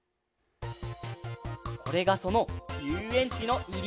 これがそのゆうえんちのいりぐち！